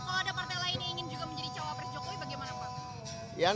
kalau ada partai lain yang ingin juga menjadi cawapres jokowi bagaimana pak